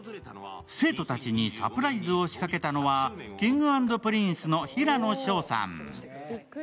生徒たちにサプライズを仕掛けたのは、Ｋｉｎｇ＆Ｐｒｉｎｃｅの平野紫耀さん。